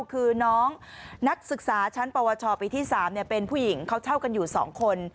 คือน้องนักศึกษาชั้นปวชปีที่๓เป็นผู้หญิงเขาเช่ากันอยู่๒คน